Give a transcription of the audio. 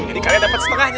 jadi kalian dapat setengahnya